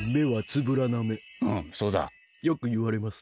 よくいわれます。